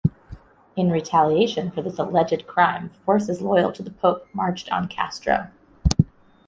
In retaliation for this alleged crime, forces loyal to the Pope marched on Castro.